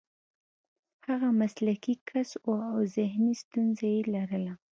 هغه مسلکي کس و او ذهني ستونزه یې لرله